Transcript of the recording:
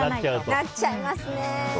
なっちゃいますね。